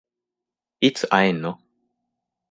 いつ会えんの？